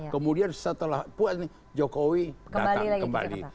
kemudian setelah puas jokowi datang kembali